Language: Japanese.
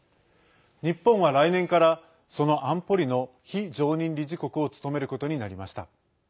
日本は来年からその安保理の非常任理事国を務めることになりました。